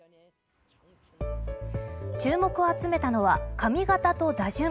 注目を集めたのは髪形と打順。